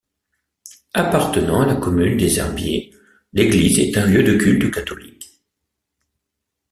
Appartenant à la commune des Herbiers, l’église est un lieu de culte catholique.